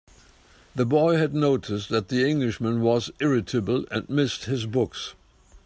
The boy had noticed that the Englishman was irritable, and missed his books.